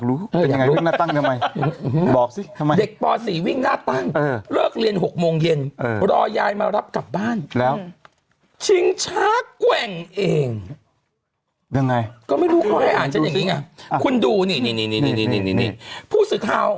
อู๋ใส่กะเพราอู๋นี่หอมนะหอมแดงเนอะ